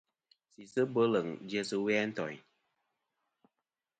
Sisɨ bweleŋ jæ sɨ we a ntoyn.